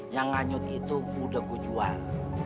yang nganyut itu budegu jual